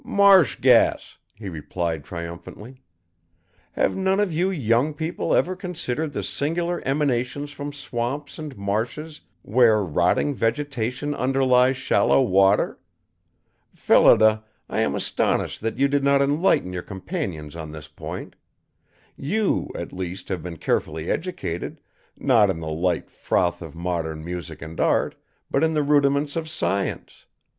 "Marsh gas," he replied triumphantly. "Have none of you young people ever considered the singular emanations from swamps and marshes where rotting vegetation underlies shallow water? Phillida, I am astonished that you did not enlighten your companions on this point. You, at least, have been carefully educated, not in the light froth of modern music and art, but in the rudiments of science.